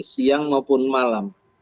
siang maupun malam